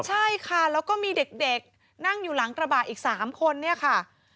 ใช่ค่ะแล้วก็มีเด็กนั่งอยู่หลังกระบะอีก๓คนเนี่ยค่ะ